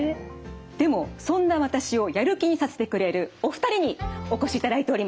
でもそんな私をやる気にさせてくれるお二人にお越しいただいております。